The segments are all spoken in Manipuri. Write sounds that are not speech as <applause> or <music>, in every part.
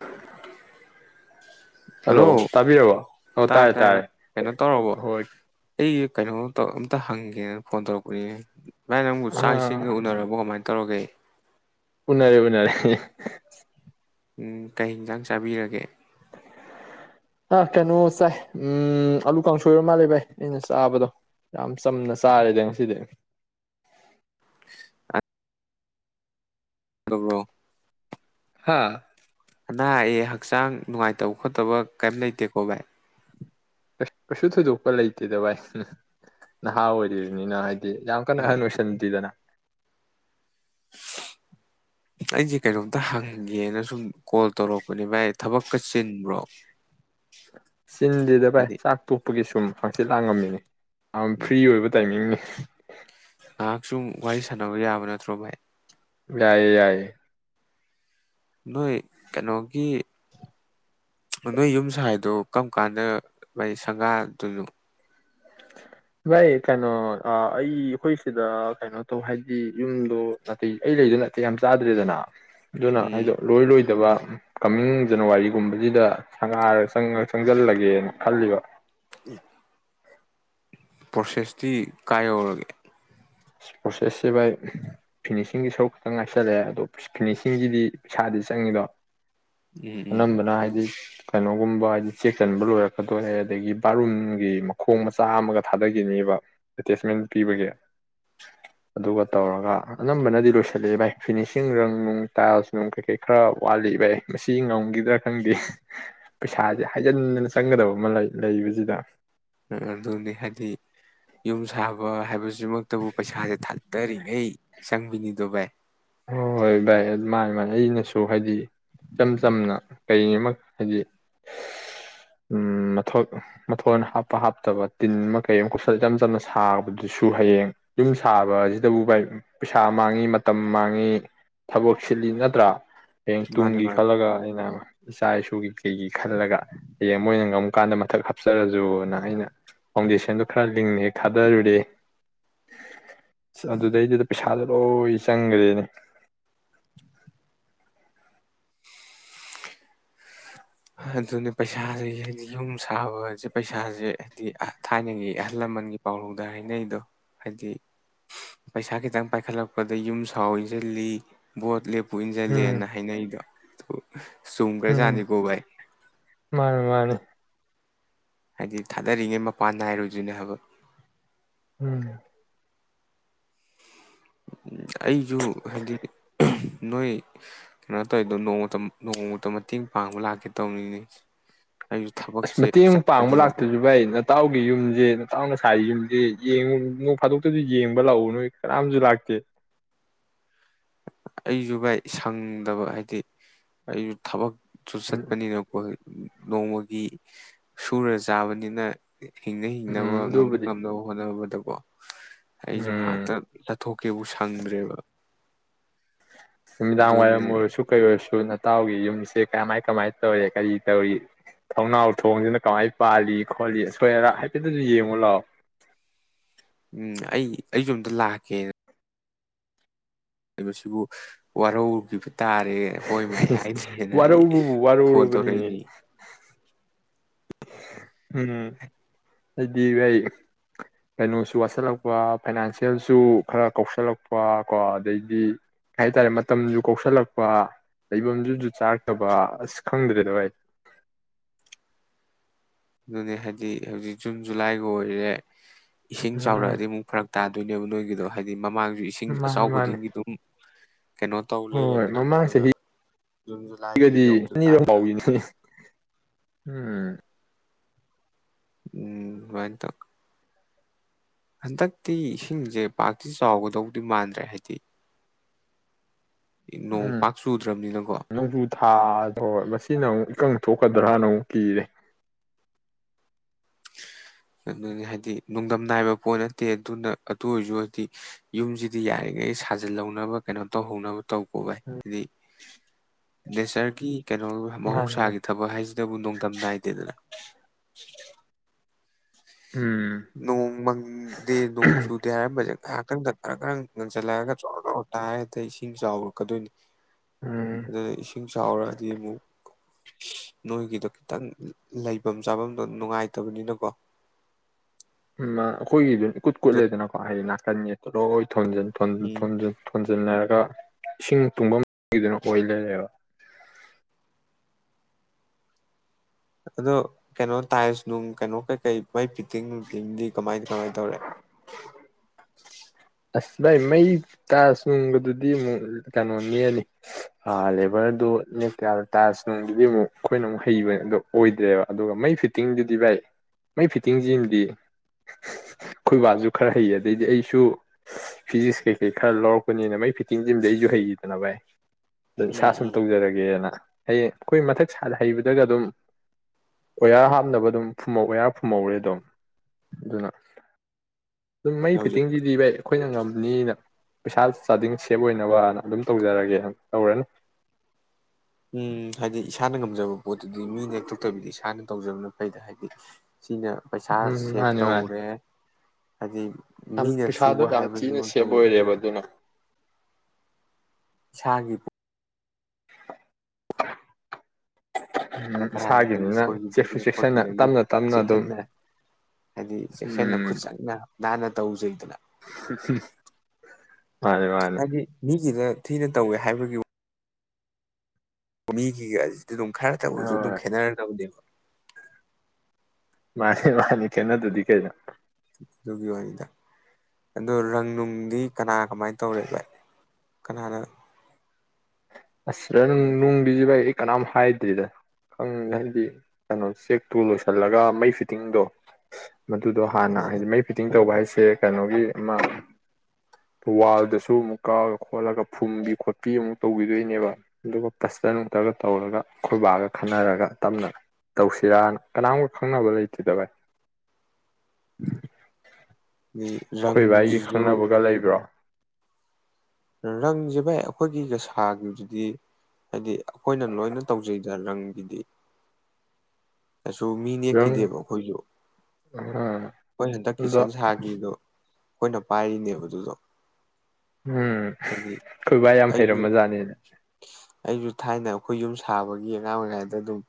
<unintelligible> ꯍꯜꯂꯣ ꯇꯥꯕꯤꯔꯕ ꯑꯣ ꯇꯥꯔꯦ ꯚꯥꯏ ꯇꯥꯔꯦ ꯀꯩꯅꯣ ꯇꯧꯔꯕꯣ ꯍꯣꯏ ꯑꯩ ꯀꯩꯅꯣ ꯇꯧ ꯑꯝꯇ ꯍꯪꯒꯦꯅ ꯐꯣꯟ ꯇꯧꯔꯛꯄꯅꯦ ꯚꯥꯏ ꯅꯪꯕꯨ ꯑ ꯆꯥꯛ ꯏꯁꯤꯡꯒ ꯎꯅꯔꯕ ꯀꯃꯥꯏꯅ ꯇꯧꯔꯛꯒꯦ ꯎꯅꯔꯦ ꯎꯅꯔꯦ ꯎꯝ ꯀꯩ ꯍꯟꯁꯥꯡ ꯆꯥꯕꯤꯔꯒꯦ ꯍꯥ ꯀꯩꯅꯣ ꯆꯥꯏ ꯎꯝ ꯑꯂꯨ ꯀꯥꯡꯁꯣꯏꯔ ꯃꯥꯜꯂꯦ ꯚꯥꯏ ꯑꯩꯅ ꯆꯥꯕꯗꯣ ꯌꯥꯝ ꯆꯝꯅ ꯆꯥꯔꯦꯗ ꯉꯁꯤꯗꯤ ꯑ ꯗꯕ꯭ꯔꯣ ꯍꯥꯥ ꯑꯅꯥ ꯑꯌꯦꯛ ꯍꯛꯆꯥꯡ ꯅꯨꯡꯉꯥꯏꯇꯕ ꯈꯣꯠꯇꯕ ꯀꯩꯝ ꯂꯩꯇꯦꯀꯣ ꯚꯥꯏ ꯀꯩꯁꯨ ꯊꯣꯏꯗꯣꯛꯄ ꯂꯩꯇꯦꯗ ꯚꯏ ꯅꯍꯥ ꯑꯣꯏꯔꯤꯕꯅꯤꯅ ꯍꯥꯏꯗꯤ ꯗꯤ ꯌꯥꯝ ꯀꯟꯅ ꯎꯝ ꯑꯍꯟ ꯑꯣꯏꯣꯏꯁꯤꯟꯗꯦꯗꯅ ꯑꯩꯖꯤ ꯀꯩꯅꯣꯝꯇ ꯍꯪꯒꯦꯅ ꯁꯨꯝ ꯀꯣꯜ ꯇꯧꯔꯛꯄꯅꯦ ꯚꯥꯏ ꯊꯕꯛꯀ ꯆꯤꯟꯕ꯭ꯔꯣ ꯆꯤꯟꯁꯤꯗ ꯚꯥꯏ ꯍꯥꯏꯗꯤ ꯆꯥꯛ ꯇꯣꯛꯄꯒꯤ ꯁꯨꯝ ꯍꯪꯆꯤꯠꯂꯥꯡ ꯉꯝꯃꯤꯅꯦ ꯌꯥꯝ ꯐ꯭ꯔꯤ ꯑꯣꯏꯕ ꯇꯥꯏꯃꯤꯡꯅꯤ <unintelligible> ꯉꯥꯏꯍꯥꯛ ꯁꯨꯝ ꯋꯥꯔꯤ ꯁꯥꯟꯅꯕ ꯌꯥꯕ ꯅꯠꯇ꯭ꯔꯣ ꯚꯥꯏ ꯌꯥꯑꯌꯦ ꯌꯥꯏ ꯅꯣꯏ ꯀꯩꯅꯣꯒꯤ ꯅꯣꯏ ꯌꯨꯝ ꯁꯥꯏꯗꯣ ꯀꯔꯝ ꯀꯥꯟꯗ ꯃꯣꯏ ꯁꯪꯒꯥꯗꯨꯅꯣ ꯚꯥꯏ ꯀꯩꯅꯣ ꯑꯩ ꯑꯩꯈꯣꯏ ꯁꯤꯗ ꯀꯩꯅꯣ ꯇꯧ ꯍꯥꯏꯗꯤ ꯌꯨꯝꯗꯣ ꯅꯥꯇꯩ ꯑꯩ ꯂꯩꯗꯣ ꯅꯠꯇꯦ ꯌꯥꯝ ꯆꯥꯗ꯭ꯔꯦꯗꯅ ꯑꯗꯨꯅ ꯎꯝ ꯍꯥꯏꯗꯣ ꯂꯣꯏꯔꯣꯏꯗꯕ ꯀꯃꯤꯡ ꯖꯅꯋꯥꯔꯤꯒꯨꯝꯕꯁꯤꯗ ꯁꯪꯒꯥꯔ ꯆꯪꯉ ꯆꯪꯁꯤꯜꯂꯒꯦꯅ ꯈꯜꯂꯤꯕ ꯎꯝ ꯄ꯭ꯔꯣꯁꯦꯁꯇꯤ ꯀꯥꯏ ꯌꯧꯔꯒꯦ ꯄ꯭ꯔꯣꯁꯦꯁꯁꯦ ꯚꯥꯏ ꯐꯤꯅꯤꯁꯤꯡꯒꯤ ꯁꯔꯨꯛ ꯈꯤꯛꯇꯪ ꯉꯥꯏꯁꯜꯂꯛꯑꯦꯗꯣ ꯐꯤꯅꯤꯁꯤꯡꯒꯤꯗꯤ ꯄꯩꯁꯥꯗꯤ ꯆꯪꯉꯤꯗꯣ ꯎꯝ ꯑꯅꯝꯕꯅ ꯍꯥꯏꯗꯤ ꯀꯩꯅꯣꯒꯨꯝꯕ ꯍꯥꯏꯗꯤ ꯆꯦꯛ ꯆꯟꯕ ꯂꯣꯏꯔꯛꯀꯗꯣꯔꯔꯦ ꯑꯗꯒꯤ ꯕꯥꯠꯔꯨꯝꯒꯤ ꯃꯈꯣꯡ ꯃꯆꯥ ꯑꯃꯒ ꯊꯥꯗꯈꯤꯅꯦꯕ ꯑꯦꯇꯦꯁꯃꯦꯟ ꯄꯤꯕꯒꯤ ꯑꯗꯨꯒ ꯇꯧꯔꯒ ꯑꯅꯝꯕꯅꯗꯤ ꯂꯣꯏꯁꯤꯜꯂꯛꯦ ꯚꯥꯏ ꯐꯤꯅꯤꯁꯤꯡ ꯔꯪ ꯅꯨꯡ ꯇꯥꯏꯜꯁ ꯅꯨꯡ ꯀꯩꯀꯩ ꯈꯔ ꯋꯥꯠꯂꯤ ꯚꯥꯏ ꯃꯁꯤ ꯉꯝꯈꯤꯗ꯭ꯔꯥ ꯈꯪꯗꯦ ꯄꯩꯁꯥꯁꯦ ꯍꯥꯏꯖꯤꯟꯗꯅ ꯆꯪꯒꯗꯕ ꯑꯃ ꯂꯩ ꯂꯩꯕꯁꯤꯗ ꯑꯗꯨꯅꯤ ꯍꯥꯏꯗꯤ ꯌꯨꯝ ꯁꯥꯕ ꯍꯥꯏꯕꯁꯤ ꯍꯧꯖꯤꯛꯃꯛꯇꯕꯨ ꯄꯩꯁꯥꯁꯦ ꯊꯥꯗꯔꯤꯉꯩ ꯆꯪꯕꯤꯅꯤꯗꯨꯣꯕꯥꯥꯏ ꯍꯣꯏ ꯍꯣꯏ ꯚꯥꯏ ꯑꯗꯨꯃꯥꯏꯅ ꯑꯗꯨꯥꯏꯅ ꯑꯩꯅꯁꯨ ꯍꯥꯏꯗꯤ ꯏꯆꯝ ꯆꯝꯅ ꯀꯩ ꯑꯃ ꯍꯥꯏꯗꯤ ꯃꯊ ꯃꯊꯣꯟ ꯍꯥꯞꯄ ꯍꯥꯞꯇꯕ ꯇꯤꯟ ꯑꯃ ꯀꯩ ꯑꯃ ꯀꯨꯞꯁꯜꯂ ꯏꯆꯝ ꯆꯝꯅ ꯁꯥꯕꯗꯨꯁꯨ ꯍꯌꯦꯡ ꯌꯨꯝ ꯁꯥꯕꯁꯤꯗꯕꯨ ꯚꯥꯏ ꯄꯩꯁꯥ ꯃꯥꯡꯉꯤ ꯃꯇꯝ ꯃꯥꯡꯉꯤ ꯊꯕꯛ ꯁꯤꯜꯂꯤ ꯅꯠꯇ꯭ꯔꯥ ꯍꯌꯦꯡ ꯃꯥꯅꯦ ꯇꯨꯡꯒꯤ ꯃꯥꯅꯦ ꯈꯜꯂꯒ ꯑꯩꯅ ꯏꯆꯥ ꯏꯁꯨꯒꯤ ꯀꯩꯒꯤ ꯈꯜꯂꯒ ꯍꯌꯦꯡ ꯃꯣꯏꯅ ꯉꯝꯨꯀꯥꯟꯗ ꯃꯊꯛ ꯍꯥꯞꯆꯔꯁꯨꯨꯅ ꯑꯩꯅ ꯐꯥꯎꯟꯗꯦꯁꯟꯗꯣ ꯈꯔ ꯂꯤꯡꯉꯦ ꯊꯥꯗꯔꯨꯔꯦ ꯑꯗꯨꯗꯩꯗꯨꯗ ꯄꯩꯁꯥꯗꯣ ꯂꯣꯏ ꯆꯪꯒꯗ‌ꯣꯏꯅꯤ ꯑꯗꯨꯅꯦ ꯄꯩꯁꯥꯁ ꯍꯥꯏꯗꯤ ꯌꯨꯝ ꯁꯥꯕꯁꯦ ꯄꯩꯁꯥꯁꯦ ꯍꯥꯏꯗꯤ ꯊꯥꯏꯅꯒꯤ ꯑꯍꯜ ꯂꯃꯟꯒꯤ ꯄꯥꯎꯔꯨꯝ ꯑ ꯍꯥꯏꯅꯩꯗꯣ ꯍꯥꯏꯗꯤ ꯄꯩꯁꯥ ꯈꯤꯇꯪ ꯄꯥꯏꯈꯠꯂꯛꯄꯗ ꯌꯨꯝ ꯁꯥꯎ ꯏꯟꯁꯤꯜꯂꯤ ꯕꯣꯠ ꯂꯦꯞ ꯄꯨ ꯎꯝ ꯏꯟꯁꯤꯜꯂꯦꯅ ꯍꯥꯏꯅꯩꯗꯣ ꯇꯣ ꯎꯝ ꯁꯨꯝꯈ꯭ꯔꯦꯖꯥꯠꯅꯤꯀꯣ ꯚꯥꯏ ꯃꯥꯅꯦ ꯃꯥꯅꯤ ꯍꯥꯏꯗꯤ ꯊꯥꯗꯔꯤꯉꯩ ꯃꯄꯥꯟ ꯅꯥꯏꯔꯣꯏꯗꯣꯏꯅꯦ ꯍꯥꯏꯕ ꯎꯝ ꯑꯩꯁꯨ ꯍꯥꯏꯗꯤ ꯅꯣꯏ ꯀꯩꯅꯣ ꯇꯧꯋꯔꯤꯗꯣ ꯅꯣꯡꯃꯇ ꯅꯣꯡꯃꯇ ꯃꯇꯦꯡ ꯄꯥꯡꯕ ꯂꯥꯛꯀꯦ ꯇꯧꯕꯅꯤꯅꯦ ꯑꯁ ꯃꯇꯦꯡ ꯄꯥꯡꯕ ꯂꯥꯛꯇꯁꯨ ꯚꯥꯏ ꯅꯇꯥꯎꯒꯤ ꯌꯨꯝꯁꯦ ꯅꯇꯥꯎꯅ ꯁꯥꯏ ꯌꯨꯝꯗꯤ ꯌꯦꯡꯉꯨ ꯅꯣꯡ ꯐꯥꯗꯣꯛꯇꯁꯨ ꯌꯦꯡꯕ ꯂꯥꯛꯎ ꯅꯣꯏ ꯀꯅꯥꯝꯁꯨ ꯂꯥꯛꯇꯦ ꯑꯩꯁꯨ ꯚꯥꯏ ꯁꯪꯗꯕ ꯍꯥꯏꯗꯤ ꯑꯩꯁꯨ ꯊꯕꯛ ꯎꯝ ꯆꯨꯠꯄꯅꯤꯅ ꯀꯣꯂꯦꯁ ꯅꯣꯡꯃꯒꯤ ꯁꯨꯔ ꯆꯥꯕꯅꯤꯅ ꯍꯤꯡꯅ ꯍꯤꯡꯅꯕ ꯎꯝ ꯉꯝꯅꯕ ꯑꯗꯨꯕꯨꯗꯤ ꯉꯝꯅꯕ ꯍꯣꯠꯅꯕꯗ <unintelligible> ꯑꯩꯁꯨ ꯎꯝ ꯉꯥꯏꯍꯥꯛꯇ ꯇꯥꯊꯣꯛꯀꯦꯕꯨ ꯁꯪꯗ꯭ꯔꯦꯕ ꯅꯨꯃꯤꯗꯥꯡ ꯋꯥꯏꯔꯝ ꯑꯗꯨꯅꯅꯦ ꯑꯣꯏꯔꯁꯨ ꯀꯩ ꯑꯣꯏꯔꯁꯨ ꯅꯇꯎꯒꯤ ꯌꯨꯝ ꯁꯦ ꯀꯃꯥꯏ ꯀꯃꯥꯏꯅ ꯇꯧꯔꯤ ꯀꯔꯤ ꯇꯧꯔꯤ ꯊꯣꯡꯅꯥꯎ ꯊꯣꯡꯁꯤꯅ ꯀꯃꯥꯏꯅ ꯄꯥꯜꯂꯤ ꯈꯣꯂꯤ ꯑꯁꯣꯏ ꯑꯔꯥ ꯍꯥꯏꯐꯦꯠꯇꯁꯨ ꯌꯦꯡꯉꯨ ꯂꯥꯛꯑꯣ ꯎꯝ ꯑꯩ ꯑꯩꯁꯨ ꯑꯝꯇ ꯂꯥꯛꯀꯦꯅ ꯍꯥꯏꯕꯁꯤꯕꯨ ꯋꯥꯔꯧꯈꯤꯕ ꯇꯥꯔꯦ ꯍꯣꯏ ꯃꯥꯏ ꯍꯥꯏꯗꯦꯅ ꯑꯩ ꯋꯥꯔꯧꯕꯕꯨ ꯐꯣꯟ ꯋꯥꯔꯧꯔꯕꯅꯤꯅꯦ ꯇꯧꯔꯛꯏꯅꯤ ꯎꯝ ꯍꯥꯏꯗꯤ ꯑꯩ ꯀꯩꯅꯣꯁꯨ ꯋꯥꯠꯁꯜꯂꯛꯄ ꯐꯥꯏꯅꯥꯟꯁꯤꯜꯁꯨ ꯈꯔ ꯀꯧꯁꯜꯂꯛꯄ ꯀꯣ ꯑꯗꯩꯗꯤ ꯀꯩ ꯍꯥꯏꯇꯥꯔꯦ ꯃꯇꯝꯁꯨ ꯀꯧꯁꯤꯜꯂꯛꯄ ꯂꯩꯐꯝꯗꯨꯁꯨ ꯆꯥꯔꯛꯇꯕ ꯑꯁ ꯈꯪꯗ꯭ꯔꯦꯗ ꯑꯩ ꯑꯗꯨꯅꯦ ꯍꯥꯏꯕꯗꯤ ꯍꯧꯖꯤꯛ ꯖꯨꯟ ꯖꯨꯂꯥꯏꯒ ꯑꯣꯏꯔꯦ ꯏꯁꯤꯡ ꯆꯥꯎꯔꯛꯑꯗꯤ ꯎꯝ ꯑꯃꯨꯛ ꯐꯔꯛ ꯇꯥꯗꯣꯏꯅꯦꯕ ꯅꯣꯏꯒꯤꯗꯣ ꯍꯥꯏꯗꯤ ꯃꯃꯥꯒꯤ ꯏꯁꯤꯡ ꯑꯆꯥꯎ ꯃꯥꯅꯤ ꯃꯥꯅꯤ ꯈꯨꯗꯤꯡꯒꯤ ꯑꯗꯨꯝ ꯀꯩꯅꯣ ꯇꯧ ꯍꯣꯏ ꯂꯩꯔꯗꯅ ꯃꯃꯥꯡ ꯑꯗꯨꯅ ꯖꯨꯟ ꯖꯨꯂꯥꯏꯁꯤ ꯆꯍꯤꯒꯗꯤ ꯑꯅꯤꯔꯛ ꯌꯧꯗ꯭ꯔꯤꯀꯥꯟꯗ ꯐꯥꯎꯏꯅꯤ ꯎꯝ ꯎꯝ ꯑꯗꯨꯃꯥꯏ ꯇꯧꯋꯦ ꯍꯟꯗꯛꯇꯤ ꯏꯁꯤꯡꯁꯦ ꯄꯥꯛꯇꯤ ꯆꯥꯎꯒꯗꯧꯗꯤ ꯃꯥꯟꯗ꯭ꯔꯦ ꯍꯥꯏꯗꯤ ꯅꯣꯡ ꯎꯝ ꯄꯥꯛ ꯆꯨꯗ꯭ꯔꯕꯅꯤꯅꯀꯣ ꯅꯣꯡꯖꯨ ꯊꯥꯗ ꯃꯁꯤꯅ ꯑꯃꯨꯛ ꯏꯀꯪ ꯊꯣꯛꯀꯗ꯭ꯔꯥꯅ ꯑꯃꯨꯛ ꯀꯤꯔꯦ ꯑꯗꯨꯅꯤ ꯍꯥꯏꯗꯤ ꯅꯨꯡꯗꯝ ꯅꯥꯏꯕ ꯄꯣꯠ ꯅꯠꯇꯦ ꯑꯗꯨꯅ ꯑꯗꯨ ꯑꯣꯏꯔꯁꯨ ꯍꯥꯏꯗꯤ ꯌꯨꯝꯁꯤꯗꯤ ꯌꯥꯔꯤꯉꯩ ꯁꯥꯖꯤꯜꯍꯧꯅꯕ ꯀꯩꯅꯣ ꯇꯧꯍꯧꯅꯕ ꯇꯧꯀꯣꯚꯥꯏ ꯍꯥꯏꯗꯤ ꯅꯦꯆꯔꯒꯤ ꯀꯩꯅꯣꯒꯤ ꯃꯥꯅꯤ ꯃꯍꯧꯁꯥꯒꯤ ꯃꯥꯅꯤ ꯊꯕꯛ ꯍꯥꯏꯁꯤꯗꯕꯨ ꯅꯣꯡꯗꯝꯝ ꯅꯥꯏꯗꯦꯗꯅ ꯎꯝ ꯅꯣꯡ ꯃꯪꯗꯦ ꯅꯣꯡ ꯆꯨꯗꯦ ꯍꯥꯏꯔꯝꯕꯁꯦ ꯈꯤꯇꯪꯗ ꯈꯔ ꯈꯔ ꯅꯟꯁꯤꯜꯂꯛꯑꯒ ꯆꯣꯔ ꯔ ꯇꯥꯔꯦ ꯏꯁꯤꯡ ꯆꯥꯎꯔꯛꯀꯗꯣꯏꯅꯤ ꯎꯝ ꯑꯗꯨꯗ ꯏꯁꯤꯡ ꯆꯥꯎꯔꯛꯑꯗꯤ ꯑꯃꯨꯛ ꯅꯣꯏꯒꯤꯗꯣ ꯈꯤꯇꯪ ꯂꯩꯐꯝ ꯆꯥꯐꯝꯗꯣ ꯅꯨꯡꯉꯥꯏꯇꯕꯅꯤꯅꯀꯣ ꯎ ꯑꯩꯈꯣꯏꯒꯤꯗꯨ ꯏꯀꯨꯠ ꯀꯨꯠꯂꯦꯗꯅꯀꯣ ꯍꯥꯏꯗꯤ ꯅꯥꯀꯟ ꯌꯦꯣꯏ ꯊꯣꯟꯖꯤꯟ ꯎꯝ ꯊꯣꯟꯖꯤꯟꯅꯔꯒ ꯏꯁꯤꯡ ꯇꯨꯡꯐꯝꯗꯨꯅ ꯑꯣꯏ ꯂꯩꯔꯦꯕ ꯑꯗꯣ ꯀꯩꯅꯣ ꯇꯥꯏꯜꯁ ꯅꯨꯡ ꯀꯩꯅꯣ ꯀꯩꯀꯩ ꯃꯩ ꯐꯤꯠꯇꯤꯡ ꯇꯤꯡꯗꯤ ꯀꯃꯥꯏ ꯀꯃꯥꯏꯅ ꯇꯧꯔꯦ ꯑꯁ ꯚꯥꯏ ꯃꯩ ꯇꯥꯏꯜꯁ ꯅꯨꯡꯒꯗꯨꯗꯤꯃꯨꯛ ꯀ ꯩꯅꯣ ꯅꯅꯤ ꯑ ꯂꯦꯕꯔꯗꯨ ꯅꯦꯛꯇ ꯌꯥꯔꯣꯏ ꯇꯥꯏꯜꯁ ꯅꯨꯡꯗꯨꯗꯤ ꯑꯃꯨꯛ ꯑꯩꯈꯣꯏꯅ ꯑꯃꯨꯛ ꯍꯩꯕꯗꯣ ꯑꯣꯏꯗ꯭ꯔꯦꯕ ꯑꯗꯨꯒ ꯃꯩ ꯐꯤꯠꯇꯤꯡꯗꯨꯗꯤ ꯚꯥꯏ ꯃꯩ ꯐꯤꯠꯇꯤꯡꯁꯤꯃꯗꯤ ꯑꯩꯈꯣꯏꯕꯥꯁꯨ ꯈꯔ ꯍꯩ ꯑꯗꯩꯗꯤ ꯑꯩꯁꯨ ꯐꯤꯖꯤꯛꯁ ꯀꯩꯀꯩ ꯈꯔ ꯂꯧꯔꯛꯄꯅꯤꯅ ꯃꯩ ꯐꯤꯠꯇꯤꯡ ꯖꯤꯝꯗ ꯑꯩꯁꯨ ꯍꯩꯔꯤꯗꯅ ꯚꯥꯏ ꯑ ꯏꯁꯥ ꯎꯝ ꯁꯨꯝ ꯎꯝ ꯇꯧꯖꯔꯒꯦꯅ ꯍꯌꯦꯡ ꯑꯩꯈꯣꯏ ꯃꯊꯛ ꯍꯩꯕꯗꯒ ꯑꯗꯨꯝ ꯑꯣꯌꯥꯥꯔ ꯍꯥꯞꯅꯕ ꯑꯗꯨꯝ ꯐꯨꯝꯧ ꯑꯣꯌꯥꯔ ꯐꯨꯝꯍꯧꯔꯦ ꯑꯗꯨꯝ ꯑꯗꯨꯅ ꯑꯗꯨꯝ ꯃꯩ ꯍꯧꯖꯤꯛꯄꯨꯗꯤ ꯐꯤꯠꯇꯤꯡꯒꯤꯗꯤ ꯚꯥꯏ ꯑꯩꯈꯣꯏꯅ ꯉꯝꯃꯦ ꯃꯤꯅ ꯄꯩꯁꯥ ꯆꯥꯗꯤꯡ ꯁꯦꯞ ꯑꯣꯏꯅꯕꯅ ꯑꯗꯨꯝ ꯇꯧꯖꯔꯒꯦ ꯇꯧꯔꯅꯤ ꯎꯝ ꯍꯥꯏꯗꯤ ꯏꯁꯥꯅ ꯉꯝꯖꯕ ꯄꯣꯠꯇꯨꯗꯤ ꯃꯤꯅ ꯍꯛꯇꯣꯛꯇꯕꯤꯗꯤ ꯏꯁꯥꯅ ꯇꯧꯖꯕꯅ ꯐꯩꯗ ꯍꯥꯏꯗꯤ ꯁꯤꯅ ꯄꯩꯁꯥ ꯎꯝ ꯁꯦꯞ ꯃꯥꯅꯤ ꯃꯥꯅꯤ ꯇꯧꯔꯦ ꯍꯥꯏꯗꯤ ꯌꯥꯝ ꯃꯤꯅ ꯄꯩꯁꯥꯗꯣ ꯁꯨꯕ ꯌꯥꯝ ꯊꯤꯅ ꯁꯦꯕ ꯍꯥꯏꯕꯁꯤꯃꯛꯇꯕꯨ ꯑꯣꯏꯔꯦꯕ ꯑꯗꯨꯅ ꯏꯁꯥꯒꯤ ꯎꯝ ꯀꯔꯥꯏꯗ ꯀꯔꯤ ꯏꯁꯥꯒꯤꯅꯤꯅ ꯆꯦꯛꯁꯨ ꯁꯣꯏꯈꯤꯕꯗꯒꯦ ꯆꯦꯛꯁꯤꯟꯅ ꯈꯣꯠꯈꯤꯕꯒꯦ ꯇꯞꯅ ꯇꯞꯅ ꯑꯗꯨꯝ ꯆꯦꯛꯁꯤꯟꯅ ꯍꯥꯏꯗꯤ ꯆꯦꯛꯁꯤꯟꯅ ꯈꯨꯠ ꯎꯝ ꯆꯪꯅ ꯅꯥꯟꯅ ꯇꯧꯖꯩ ꯃꯥꯅꯤ ꯃꯥꯅꯤ ꯍꯥꯏꯗꯤ ꯃꯤꯒꯤꯗ ꯊꯤꯅ ꯇꯧꯋꯦ ꯍꯥꯏꯕꯒꯤ ꯋꯥ ꯎꯅꯤ ꯀ ꯀꯁ ꯑꯗꯨ ꯅꯨꯡ ꯈꯥꯏꯔ ꯇꯕꯨꯁꯨ ꯑꯗꯨꯝ ꯍꯣꯏ ꯈꯦꯅꯔ ꯇꯧꯕꯗꯣ ꯃꯥꯅꯤ ꯃꯥꯅꯤ ꯀꯅꯗꯨꯗꯤ ꯀꯔ ꯑꯗꯨꯒꯤ ꯋꯥꯔꯤꯗ ꯑꯣ ꯔꯪ ꯅꯨꯡꯗꯤ ꯀꯅꯥ ꯀꯃꯥꯏꯅ ꯇꯧꯔꯦ ꯚꯥꯏ ꯀꯅꯥꯅ ꯑꯁꯔ ꯅꯨꯡꯗꯤꯖꯤ ꯚꯥꯏ ꯑꯩ ꯀꯅꯥꯝ ꯍꯥꯏꯗ꯭ꯔꯤꯗ ꯈꯪ ꯍꯥꯏꯗꯤ ꯀꯩꯅꯣ ꯆꯦꯛꯇꯨ ꯂꯣꯏꯁꯤꯜꯂꯒ ꯃꯩ ꯐꯤꯠꯇꯤꯡꯗꯣ ꯃꯗꯨꯗꯣ ꯍꯥꯟꯅ ꯍꯥꯏꯗꯤ ꯃꯩ ꯐꯤꯠꯇꯤꯡ ꯇꯧꯕ ꯍꯥꯏꯁꯤꯦ ꯁꯦ ꯀꯩꯅꯣꯒꯤ ꯑꯃ ꯋꯥꯜꯗꯁꯨ ꯑꯃꯨꯛ ꯀꯛꯒ ꯈꯣꯠꯂꯒ ꯐꯨꯝꯕꯤ ꯈꯣꯠꯄꯤ ꯑꯃꯨꯛ ꯇꯧꯕꯤꯗꯣꯏꯅꯤ ꯑꯗꯨꯒ ꯄꯁꯇ ꯅꯨꯡꯇꯒ ꯇꯧꯔꯒ ꯑꯩꯈꯣꯏꯕꯥꯒ ꯈꯟꯅꯔꯒ ꯇꯞꯅ ꯇꯧꯁꯤꯔꯥꯅ ꯀꯅꯥꯝꯕ ꯈꯪꯅꯕ ꯂꯩꯇꯦꯗ ꯚꯏ ꯑꯩꯈꯣꯏ ꯚ ꯑꯩꯒꯤ ꯔꯪꯁꯤꯁꯨ ꯈꯪꯅꯕꯒ ꯂꯩꯕ꯭ꯔꯣ ꯔꯪꯁꯦ ꯚꯥꯏ ꯑꯩꯈꯣꯏꯒꯤ ꯒꯁꯥꯒꯤꯗꯨꯗꯤ ꯍꯥꯏꯗꯤ ꯑꯩꯈꯣꯏꯅ ꯂꯣꯏꯅ ꯇꯧꯖꯩꯗ ꯔꯪꯒꯤꯗꯤ ꯀꯁꯨ ꯃꯤ ꯅꯪ ꯅꯦꯛꯈꯤꯗꯦꯕ ꯑꯩꯈꯣꯏꯁꯨ ꯑꯥ ꯑꯩꯣꯏ ꯑꯗꯣ ꯍꯟꯗꯛꯀꯤꯆꯟ ꯁꯥꯈꯤꯗꯣ ꯑꯩꯈꯣꯏꯅ ꯄꯥꯏꯔꯤꯅꯦꯕ ꯑꯗꯨꯗꯣ ꯎꯝ ꯍꯥꯏꯗꯤ ꯈꯣꯏꯕꯥ ꯌꯥꯝ ꯑꯩꯁꯨ ꯐꯩꯔꯃ ꯖꯥꯠꯅꯤꯅ ꯑꯩꯁꯨ ꯊꯥꯏꯅ ꯑꯩꯈꯣꯏ ꯌꯨꯝ ꯁꯥꯕꯒꯤ ꯑꯉꯥꯡ ꯑꯣꯏꯔꯤꯉꯩꯗ ꯑꯗꯨꯝ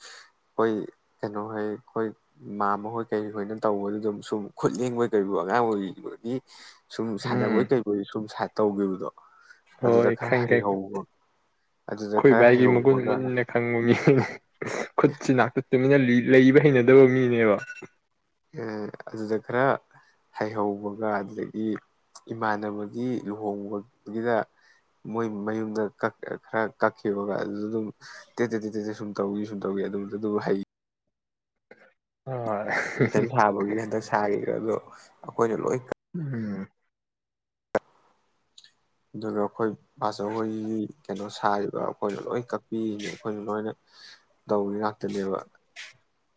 ꯑꯩꯣꯏ ꯀꯩꯅꯣ ꯍꯣꯏ ꯑꯩꯈꯣꯏ ꯏꯃꯃꯍꯣꯏ ꯀꯔꯤ ꯍꯣꯏꯅ ꯇꯧꯕꯗ ꯑꯗꯨꯝ ꯁꯨꯝ ꯈꯨꯠ ꯂꯕꯣꯏ ꯀꯔꯤꯕ ꯑꯉꯥꯡ ꯑꯣꯏꯔꯤꯕꯒꯤ ꯁꯨꯝ ꯎꯝ ꯁꯥꯟꯅꯕꯣꯏ ꯀꯩꯣꯏ ꯁꯨꯝ ꯇꯧꯈꯤꯕꯗꯣ ꯍꯣꯏ ꯑꯗꯨꯗ ꯈꯔ ꯈꯪ ꯈꯥꯏ ꯍꯩꯍꯧꯕ ꯑꯗꯨꯗ ꯑꯩꯈꯣꯏ ꯈꯔ ꯚꯥꯏꯒꯤ ꯃꯒꯨꯟ ꯍꯩꯍꯧꯕꯒ ꯃꯨꯟꯅ ꯈꯪꯕꯅꯤ ꯍ ꯈꯨꯠꯁꯤ ꯇꯨꯟꯅ ꯂꯩꯕ ꯍꯩꯅꯗꯕ ꯃꯤꯅꯦꯕ ꯑꯗꯨꯗ ꯈꯔ ꯍꯩꯍꯧꯕꯒ ꯑꯗꯨꯗꯒꯤ ꯏꯃꯥꯟꯅꯕꯒꯤ ꯂꯨꯍꯣꯡꯕꯒꯤꯗ ꯃꯣꯏ ꯃꯌꯨꯝꯗ ꯈꯔ ꯀꯛꯈꯤꯕꯒ ꯑꯗꯨꯗ ꯑꯗꯨꯝ <unintelligible> ꯇꯧꯋ ꯁꯨꯝ ꯇꯧꯏ ꯑꯗꯨꯗꯨꯗꯨꯕꯨ ꯍꯩ ꯍ ꯍꯣꯏ ꯏꯊꯟ ꯁꯥꯕꯒꯤ ꯍꯟꯗꯛ ꯁꯥꯈꯤꯔ ꯑꯗꯣ ꯑꯩꯈꯣꯏꯅꯂꯣ ꯎꯝ ꯑꯗꯨꯒ ꯑꯩꯈꯣꯏ ꯄꯕꯥꯆꯧꯣꯏꯒꯤ ꯀꯩꯅꯣ ꯁꯥꯔꯤꯕ ꯑꯩꯈꯣꯏꯅ ꯂꯣꯏ ꯀꯛꯄꯤꯔꯤꯅꯦ ꯑꯩꯈꯣꯏꯁꯨ ꯂꯣꯏꯅ ꯇꯧꯏ ꯉꯥꯛꯇꯅꯦꯕ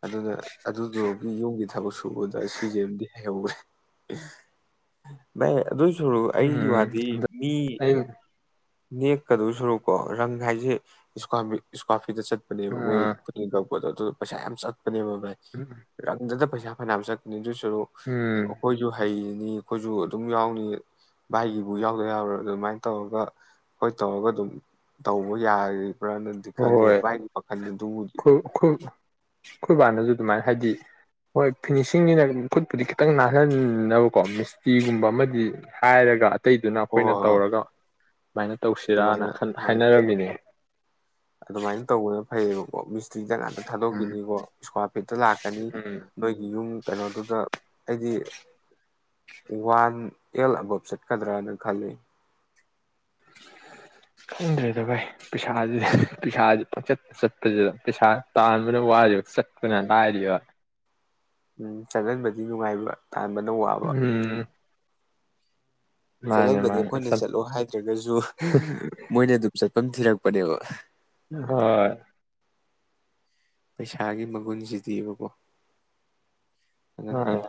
ꯑꯗꯨꯅ ꯑꯗꯨꯗꯨꯣ ꯌꯨꯝꯒꯤ ꯊꯕꯛ ꯁꯨꯕꯗ ꯁꯤꯖꯗꯤ ꯍꯩꯍꯧꯈ꯭ꯔꯦ ꯃ ꯑꯗꯨꯏ ꯁꯔ ꯑꯩꯒꯤ ꯎꯝ ꯋꯥꯗꯤ ꯃꯤ ꯑꯩ ꯅꯦꯛꯀꯗꯧ ꯁꯔꯨꯀꯣ ꯔꯪ ꯍꯥꯏꯁꯦ ꯏꯁ ꯏꯁꯀ ꯍꯦꯛꯇ ꯆꯠꯄꯅꯦꯕ ꯃꯣꯏ ꯑꯥ ꯄ ꯅꯤꯕꯗ ꯄꯩꯁꯥ ꯐꯅꯕ ꯆꯠꯅꯤꯁꯨ ꯁ ꯎꯝ ꯑꯩꯈꯣꯏꯁꯨ ꯍꯩ ꯅꯤ ꯑꯩꯈꯣꯏꯁꯨ ꯑꯗꯨꯝ ꯌꯥꯎꯅꯤ ꯚꯥꯏꯒꯤꯕꯨ ꯌꯥꯎꯗ ꯌꯥꯎꯔꯣꯏ ꯑꯗꯨ ꯑꯗꯨꯃꯥꯏꯅ ꯇꯧꯔꯒ ꯍꯣꯏ ꯇꯧꯔꯒ ꯑꯗꯨꯝ ꯇꯧꯕ ꯌꯥ ꯄꯔꯥꯅꯗꯤ ꯈꯜꯂꯤ ꯄꯥꯏ ꯄꯈꯅꯤ ꯈꯨ ꯈꯨ ꯑꯩꯈꯣꯏꯕꯥꯅꯁꯨ ꯑꯗꯨꯃꯥꯏꯅ ꯍꯥꯏꯗꯤ ꯍꯣꯏ ꯐꯤꯅꯤꯁꯤꯡꯁꯤꯅ ꯈꯨꯠꯄꯨꯗꯤ ꯈꯤꯇꯪ ꯅꯥꯍꯟꯅꯕꯀꯣ ꯃꯤꯁꯇꯤꯒꯨꯝꯕ ꯑꯃꯗꯤ ꯍꯥꯏꯔꯒ ꯑꯇꯩꯗꯨꯅ ꯍꯣꯏ ꯑꯩꯈꯣꯏꯅ ꯍꯣꯏ ꯍꯣꯏ ꯇꯧꯔꯒ ꯁꯨꯃꯥꯏꯅ ꯇꯧꯁꯤꯔꯅ ꯑꯗꯨꯃꯥꯏꯅ ꯍꯣꯏ ꯍꯥꯏꯅꯔꯝꯃꯤꯅꯦ ꯑꯗꯨꯃꯥꯏꯅ ꯇꯧꯕꯅ ꯐꯩꯌꯦꯕꯀꯣ ꯃꯤꯁ ꯆꯗ ꯉꯥꯛꯇ ꯎꯝ ꯊꯥꯗꯣꯛꯈꯤꯅꯤꯀꯣ ꯏꯁꯀ ꯍꯐꯦꯠꯇ ꯂꯥꯛꯀꯅꯤ ꯎꯝ ꯅꯣꯏꯒꯤ ꯌꯨꯝ ꯀꯩꯅꯣꯗꯨꯗ ꯍꯥꯏꯗꯤ ꯋꯥꯟ ꯑꯦꯜ ꯑꯕꯞ ꯆꯠꯀꯗ꯭ꯔꯅ ꯈꯜꯂꯤ ꯈꯪꯗ꯭ꯔꯦꯗ ꯚꯥꯏ ꯄꯩꯁꯥ ꯄꯩꯁꯥꯁꯤ ꯆꯠꯄꯁꯤꯗ ꯄꯩꯁꯥ ꯇꯥꯟꯕꯅ ꯋꯥꯔꯤꯕ ꯆꯠꯄꯅ ꯂꯥꯏꯔꯤꯕ ꯎꯝ ꯆꯠꯍꯟꯕꯗꯤ ꯅꯨꯡꯉꯥꯏꯕ ꯇꯥꯟꯕꯅ ꯋꯥꯕ ꯎꯝ ꯃꯥꯅꯦ ꯆꯠꯍꯟꯕꯗꯤ ꯃꯥꯅꯦ ꯑꯩꯈꯣꯏꯅ ꯆꯠ ꯆꯠꯂꯣ ꯍꯥꯏꯗ꯭ꯔꯒꯁꯨ ꯃꯣꯏꯅ ꯑꯗꯨꯝ ꯆ ꯑꯗꯨꯝ ꯊꯤꯔꯛꯄꯅꯦꯕ ꯍꯣꯏ ꯄꯩꯁꯥꯒꯤ ꯃꯒꯨꯟꯁꯤꯗꯤꯕꯀꯣ ꯃꯥꯅꯦ ꯑꯉꯛꯄꯅꯤ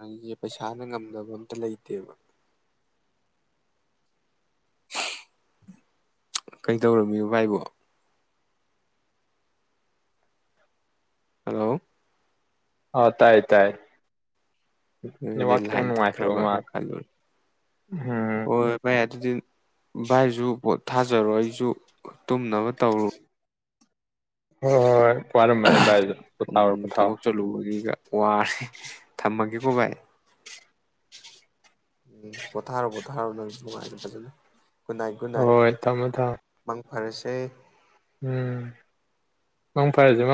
ꯑꯩꯁꯦ ꯄꯩꯁꯥꯅ ꯉꯝꯗꯕ ꯑꯝꯇ ꯂꯩꯇꯦꯕ ꯀꯩꯗꯧꯔꯝꯃꯤꯕ ꯚꯥꯏꯕꯣ ꯍꯜꯂꯣ ꯑ ꯇꯥꯏ ꯇꯥꯏ ꯑꯗꯨ ꯍꯥꯏꯗꯤ ꯅꯦꯠꯋꯥꯛ ꯈꯤꯇꯪ ꯂꯥꯏꯟ ꯅꯨꯡꯉꯥꯏꯇꯕ ꯇꯠꯈ꯭ꯔꯕ ꯑꯗꯨ ꯃꯥꯜꯂꯦ ꯈꯜꯂꯨꯔꯦ ꯎꯝ ꯍꯣꯏ ꯚꯥꯏ ꯑꯗꯨꯗꯤ ꯚꯥꯏꯁꯨ ꯄꯣꯠ ꯊꯥꯖꯔꯣ ꯑꯩꯁꯨ ꯇꯨꯝꯅꯕ ꯇꯧꯔꯨ ꯍ ꯍꯣꯏ ꯋꯥꯔꯝꯃꯅꯤ ꯚꯥꯏ ꯄꯣꯊꯥꯔꯣ ꯎꯝ ꯑꯣꯏ ꯄꯣꯊꯔꯣ ꯊꯕꯛ ꯆꯠꯂꯨꯕꯒꯤꯒ ꯋꯥꯔꯦ ꯊꯃꯒꯦ ꯕꯥꯏ ꯎꯝ ꯄꯣꯊꯥꯔꯣ ꯄꯣꯊꯥꯔꯣ ꯅꯪ ꯅꯨꯡꯉꯥꯏ ꯐꯖꯅ ꯍꯣꯏ ꯊꯝꯃꯣ ꯊꯝ ꯐꯁ ꯎꯝ ꯃꯪ ꯐꯔꯦꯁ ꯃꯥ